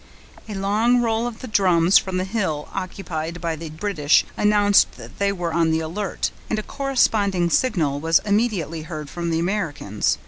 A long roll of the drums, from the hill occupied by the British, announced that they were on the alert; and a corresponding signal was immediately heard from the Americans.